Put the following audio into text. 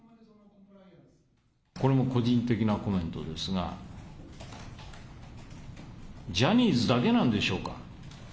これも個人的なコメントですが、ジャニーズだけなんでしょうか？